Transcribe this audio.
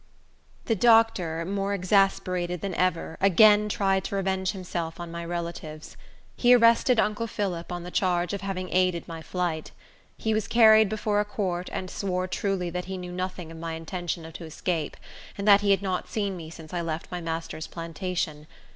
The doctor, more exasperated than ever, again tried to revenge himself on my relatives. He arrested uncle Phillip on the charge of having aided my flight. He was carried before a court, and swore truly that he knew nothing of my intention to escape, and that he had not seen me since I left my master's plantation.